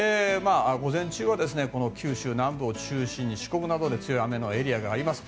午前中は九州南部を中心に四国などで強い雨のエリアがあります。